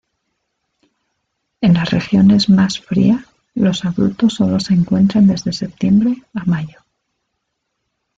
En las regiones más fría, los adultos solo se encuentran desde Septiembre a Mayo.